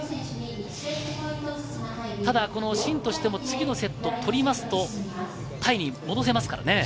ただシンとしても次のセットを取りますと、タイに戻せますからね。